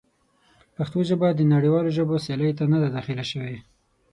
پښتو ژبه د نړیوالو ژبو سیالۍ ته نه ده داخله شوې.